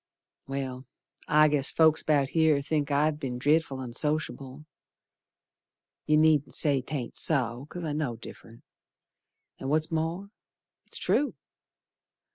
Well, I guess folks about here think I've be'n dret'ful onsociable. You needn't say 'taint so, 'cause I know diff'rent. An' what's more, it's true.